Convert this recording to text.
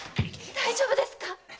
大丈夫ですか？